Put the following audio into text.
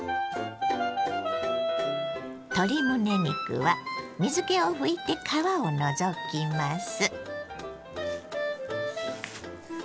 鶏むね肉は水けを拭いて皮を除きます。